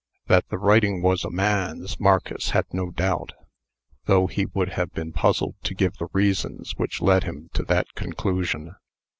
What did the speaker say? That the writing was a man's, Marcus had no doubt, though he would have been puzzled to give the reasons which led him to that conclusion.